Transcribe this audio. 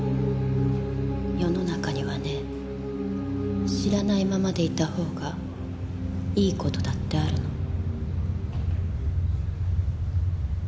世の中にはね知らないままでいたほうがいい事だってあるの。